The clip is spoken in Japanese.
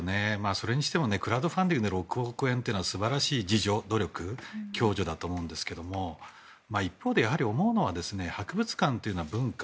それにしてもクラウドファンディングで６億円って素晴らしい自助努力共助だと思うんですが一方で思うのは博物館というのは文化。